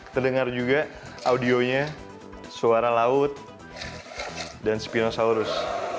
terdengar juga audionya suara laut dan spinosaurus